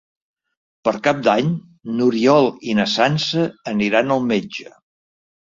Per Cap d'Any n'Oriol i na Sança aniran al metge.